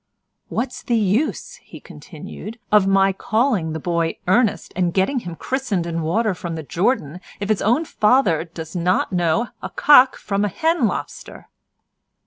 What's the use," he continued, "of my calling the boy Ernest, and getting him christened in water from the Jordan, if his own father does not know a cock from a hen lobster?"